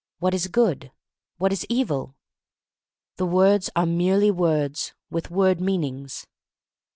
What is good? What is evil? The words are merely words, with word meanings.